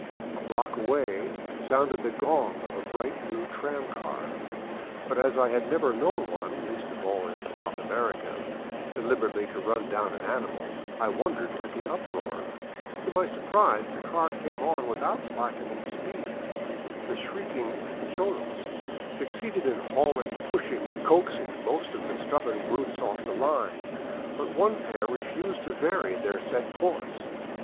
A block away sounded the gong of a bright new tramcar, but as I 483 VAGABONDING DOWN THE ANDES had never known one, least of all in South America, deliberately to run down an animal, I wondered at the uproar. To my surprise the car came on without slackening speed. The shrieking cholos suc ceeded in hauling, pushing, or coaxing most of the stubborn brutes off the line, but one pair refused to vary their set course.